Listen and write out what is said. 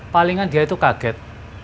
palingan dia itu kaget